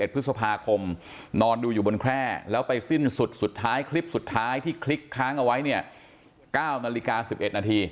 พฤษภาคมนอนดูอยู่บนแคร่แล้วไปสิ้นสุดสุดท้ายคลิปสุดท้ายที่คลิกค้างเอาไว้เนี่ย๙นาฬิกา๑๑นาที